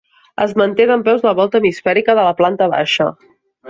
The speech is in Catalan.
Es manté dempeus la volta hemisfèrica de la planta baixa.